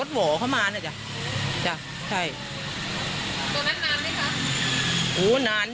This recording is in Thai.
ตอนนั้นกี่โมงนะฮะคะ